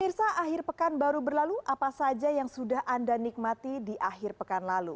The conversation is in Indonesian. mirsa akhir pekan baru berlalu apa saja yang sudah anda nikmati di akhir pekan lalu